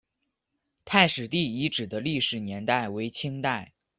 太史第遗址的历史年代为清代。